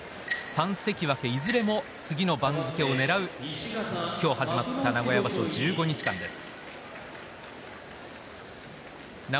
３関脇いずれも次の番付をねらう今日始まった名古屋場所１５日間です。